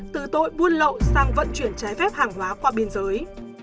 từ tội buôn lậu sang vận chuyển trái phép hàng hóa qua biên giới